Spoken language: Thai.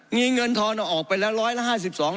มีเงินทรอนออกไปแล้วร้อยละห้าสิบสอง